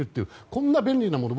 こんな便利なもの